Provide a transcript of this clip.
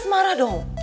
jelas marah dong